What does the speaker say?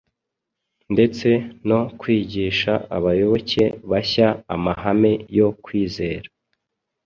ndetse no kwigisha abayoboke bashya amahame yo kwizera.